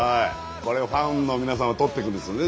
これファンの皆さんが通っていくんですよね